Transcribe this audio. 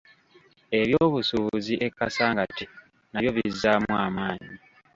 Eby'obusubuuzi e Kasangati nabyo bizzaamu amaanyi.